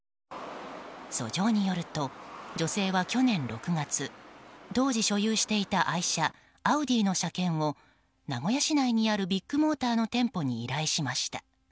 訴状によると女性は去年６月当時所有していた愛車アウディの車検を名古屋市内にあるビッグモーターの店舗に依頼しました。